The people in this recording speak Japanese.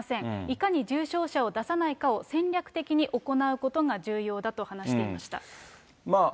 いかに重症者を出さないかを戦略的に行うことが重要だと話していました。